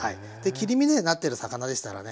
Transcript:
切り身でなってる魚でしたらね